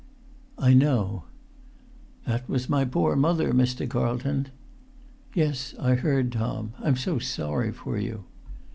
"I know." "That was my poor mother, Mr. Carlton." "Yes, I heard. Tom, I'm so sorry for you!"